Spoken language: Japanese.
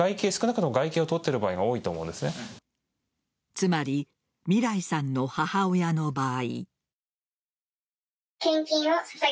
つまりみらいさんの母親の場合。